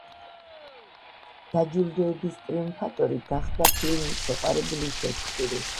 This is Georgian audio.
დაჯილდოების ტრიუმფატორი გახდა ფილმი „შეყვარებული შექსპირი“.